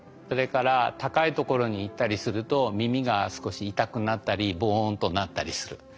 それから高い所に行ったりすると耳が少し痛くなったりぼんとなったりする。